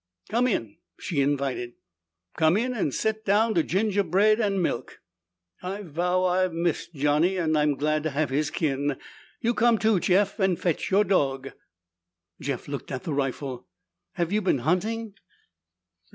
"Come in," she invited. "Come in and set down to gingerbread and milk. I vow I've missed Johnny and I'm glad to have his kin! You come, too, Jeff, and fetch your dog!" Jeff looked at the rifle. "Have you been hunting?"